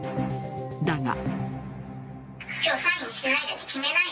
だが。